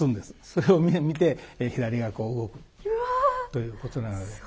それを見て左がこう動くということなんです。